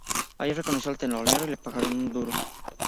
Allí hizo de telonero y le pagaron un duro.